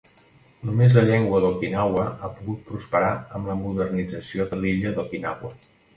Només la llengua d'Okinawa ha pogut prosperar amb la modernització de l'illa d'Okinawa.